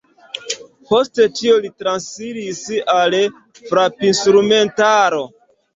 Post tio li transiris al frapinstrumentaro.